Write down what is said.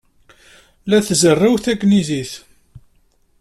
La tzerrew tanglizit.